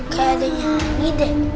kedek nyari deh